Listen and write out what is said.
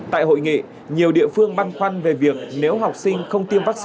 tại hội nghị nhiều địa phương băn khoăn về việc nếu học sinh không tiêm vaccine